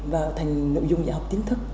và thành nội dung dạng học chính thức